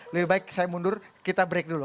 lebih baik saya mundur kita break dulu